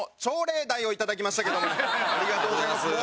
ありがとうございます。